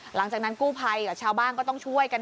หลังจากนั้นกู้ภัยกับชาวบ้านก็ต้องช่วยกัน